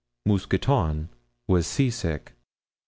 Mousqueton was seasick.